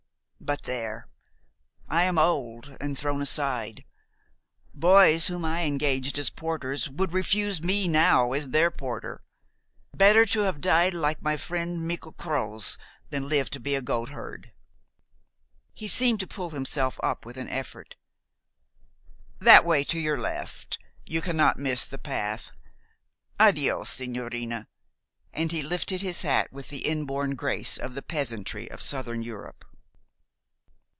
But there! I am old, and thrown aside. Boys whom I engaged as porters would refuse me now as their porter. Better to have died like my friend, Michel Croz, than live to be a goatherd." He seemed to pull himself up with an effort. "That way to your left you cannot miss the path. Addio, sigñorina," and he lifted his hat with the inborn grace of the peasantry of Southern Europe.